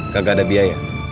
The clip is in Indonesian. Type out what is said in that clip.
kagak ada biaya